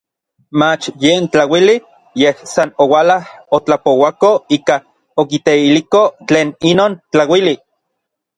Mach yen tlauili, yej san oualaj otlapouako ika okiteiliko tlen inon tlauili.